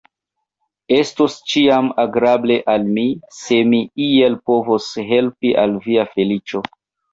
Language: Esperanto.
Estos ĉiam agrable al mi, se mi iel povos helpi al via feliĉo.